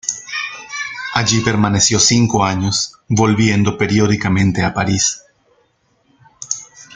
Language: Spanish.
Allí permaneció cinco años, volviendo periódicamente a París.